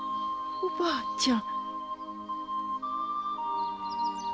おばあちゃん！